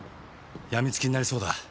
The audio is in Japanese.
病み付きになりそうだ。